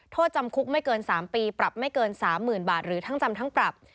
โทษจำคุกไม่เกิน๓ปีปรับไม่เกิน๓๐๐๐บาทหรือทั้งจำทั้งปรับ